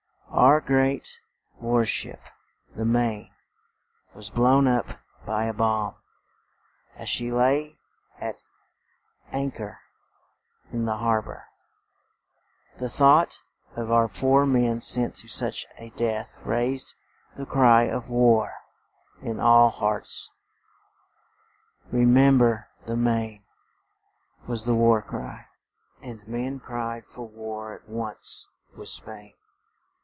Our great war ship, the "Maine," was blown up by a bomb, as she lay at an chor in the har bor. The thought of our poor men sent to such a death raised the cry of war in all hearts. "Re mem ber the Maine," was the war cry; and men cried for war at once with Spain.